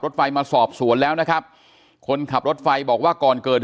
รถไฟมาสอบสวนแล้วนะครับคนขับรถไฟบอกว่าก่อนเกิด